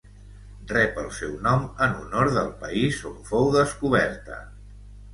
Rep el seu nom en honor del país on fou descoberta: